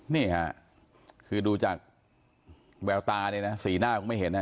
นี่ค่ะคือดูจากแววตาเนี่ยนะสีหน้าคงไม่เห็น